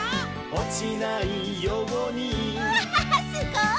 「おちないように」うわすごい！